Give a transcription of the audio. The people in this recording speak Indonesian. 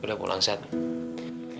udah pulang seth